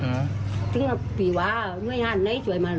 นี่แหละครับพี่สาวให้สัมภาษณ์